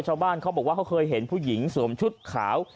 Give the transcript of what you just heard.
ชาวบ้านเขาบอกว่าเขาเคยเห็นผู้หญิงสวมชุดขาว